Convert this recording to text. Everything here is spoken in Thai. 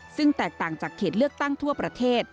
ซึ่งแตกต่างจากเขตเลือกตั้งทั่วประเทศ